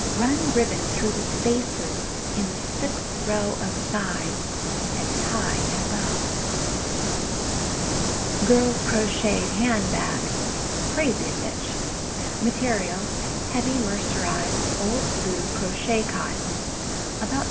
Run ribbon through the spaces in the sixth row of sides, and tie in a bow. GIRL'S CROCHETED HAND BAG (Crazy Stitch) (See picture opposite page 104) Material: Heavy mercerized Old Blue crochet cotton, about No.